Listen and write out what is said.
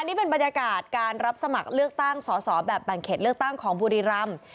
นี่เป็นบรรยากาศการรับสมัครเลือกตั้งสอสอแบบแบ่งเขตเลือกตั้งของบุรีรำ